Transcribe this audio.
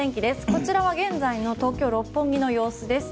こちらは現在の東京・六本木の様子です。